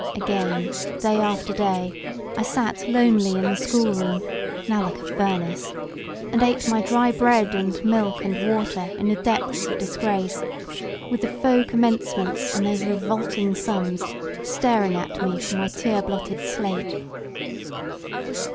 Again, day after day, 1 sat lonely in the schoolroom—now like a furnace—and ate my dry bread and milk and water in the depths of disgrace, with the faux commencements and those revolting sums staring at me from my tear blotted slate.